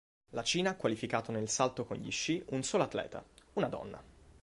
La Cina ha qualificato nel salto con gli sci un solo atleta, una donna.